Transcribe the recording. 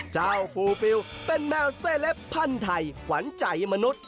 ฟูปิวเป็นแมวเซเลปพันธุ์ไทยขวัญใจมนุษย์